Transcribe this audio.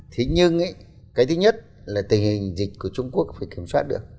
thế nhưng cái thứ nhất là tình hình dịch của trung quốc phải kiểm soát được